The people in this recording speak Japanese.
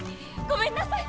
ごめんなさい！